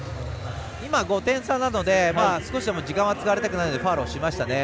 ５点差なので少し時間は使われたくないのでファウルをしましたね。